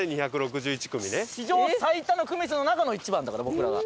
史上最多の組数の中の１番だから僕らが。